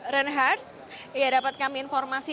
renhard dapat kami informasi